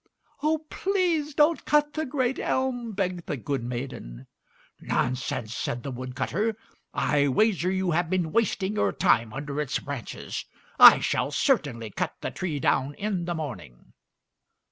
"Oh, please don't cut the great elm!" begged the good maiden. "Nonsense!" said the wood cutter. "I wager you have been wasting your time under its branches. I shall certainly cut the tree down in the morning."